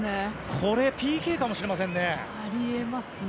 これＰＫかもしれませんね。